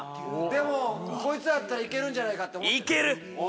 でもこいつらだったら行けるんじゃないかって思ってる。